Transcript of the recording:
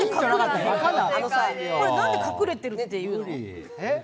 これ、なんで隠れてるっていうの？